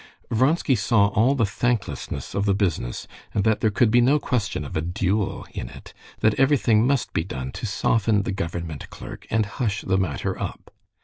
Vronsky saw all the thanklessness of the business, and that there could be no question of a duel in it, that everything must be done to soften the government clerk, and hush the matter up.